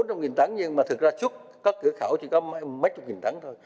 bốn trăm linh tấn nhưng mà thực ra xuất các cửa khẩu chỉ có mấy chục nghìn tấn thôi